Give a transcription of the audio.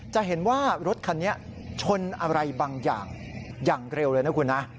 จะเห็นว่ารถคันนี้ชนอะไรบางอย่างอย่างเร็วเลยนะคุณนะ